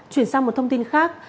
chuyển sang một thông tin khác